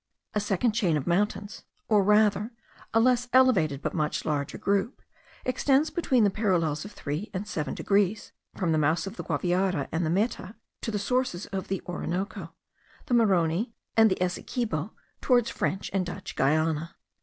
A second chain of mountains, or rather a less elevated but much larger group, extends between the parallels of 3 and 7 degrees from the mouths of the Guaviare and the Meta to the sources of the Orinoco, the Marony, and the Essequibo, towards French and Dutch Guiana.